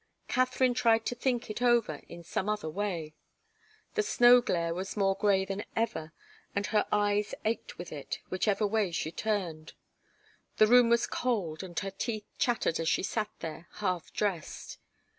Katharine tried to think it over in some other way. The snow glare was more grey than ever, and her eyes ached with it, whichever way she turned. The room was cold, and her teeth chattered as she sat there, half dressed.